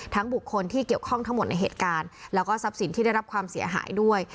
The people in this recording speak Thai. บุคคลที่เกี่ยวข้องทั้งหมดในเหตุการณ์แล้วก็ทรัพย์สินที่ได้รับความเสียหายด้วย